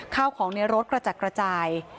ข้าวของในรถกระจัดกระจาย